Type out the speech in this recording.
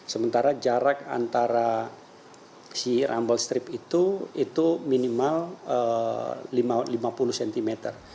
sementara jarak antara si rumble strip itu itu minimal lima puluh cm